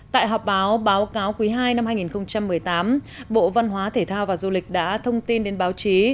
tại họp báo báo cáo quý ii năm hai nghìn một mươi tám bộ văn hóa thể thao và du lịch đã thông tin đến báo chí